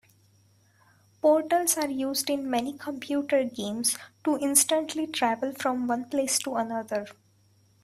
Portals are used in many computer games to instantly travel from one place to another.